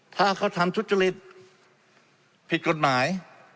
ถ้าเขาทำทุจริตผิดกฎหมาย